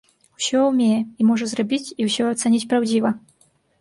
Усё умее і можа зрабіць і ўсё ацаніць праўдзіва.